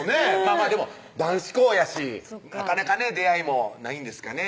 まぁでも男子校やしなかなかね出会いもないんですかね